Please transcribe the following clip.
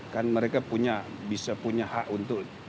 kan mereka bisa punya hak untuk